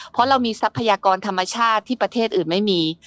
เพราะเรามีทรัพยากรธรรมชาติที่ประเทศอื่นไม่มี